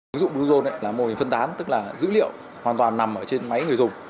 ứng dụng bluezone là mô hình phân tán tức là dữ liệu hoàn toàn nằm ở trên máy người dùng